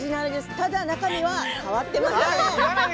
ただ中身は変わってません。